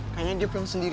kayaknya dia pelan sendiri